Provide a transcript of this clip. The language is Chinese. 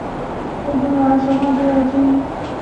维诺托努斯凯尔特神话神只之一。